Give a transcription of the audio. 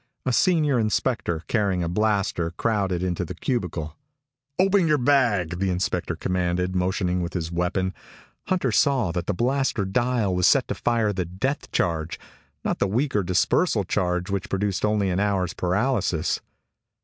A senior inspector, carrying a blaster, crowded into the cubicle. "Open your bag!" The inspector commanded, motioning with his weapon. Hunter saw that the blaster dial was set to fire the death charge, not the weaker dispersal charge which produced only an hour's paralysis.